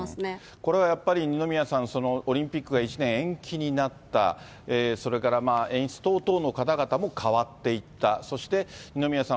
これはやっぱり二宮さん、オリンピックが１年延期になった、それから演出等々の方々も変わっていった、そして二宮さん